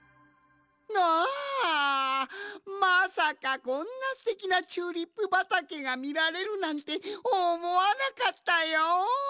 まさかこんなすてきなチューリップばたけがみられるなんておもわなかったよん。